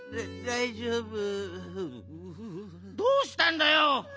どうしたんだよ？